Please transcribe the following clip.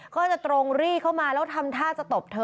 ก็จะตรงรีเข้ามาแล้วทำท่าจะตบเธอ